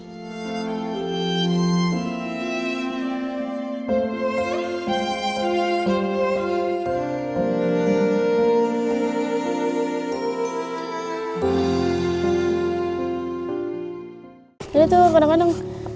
ketika anak anaknya sudah berpikir apa yang akan diberikan